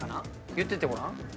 言ってってごらん。